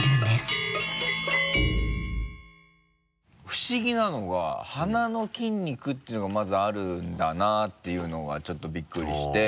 不思議なのが鼻の筋肉っていうのがまずあるんだなっていうのがちょっとびっくりして。